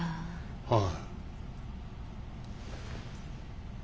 はい。